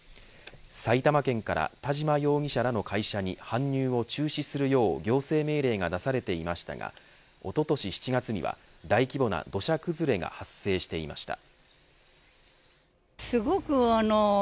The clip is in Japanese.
埼玉県から田嶋容疑者らの会社に搬入を中止するよう行政命令が出されていましたがおととし７月には大規模な土砂崩れが発生していました。